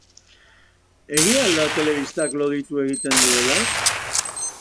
Egia al da telebistak loditu egiten duela?